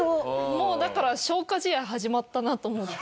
もうだから消化試合始まったなと思って。